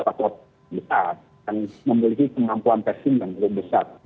akan memiliki kemampuan vaksin yang lebih besar